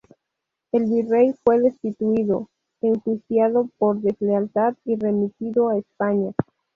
El virrey fue destituido, enjuiciado por deslealtad y remitido a España.